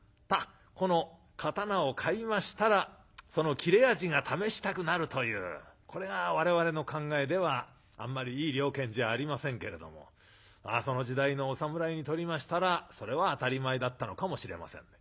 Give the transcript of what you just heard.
この刀を買いましたらその切れ味が試したくなるというこれが我々の考えではあんまりいい了見じゃありませんけれどもその時代のお侍にとりましたらそれは当たり前だったのかもしれませんね。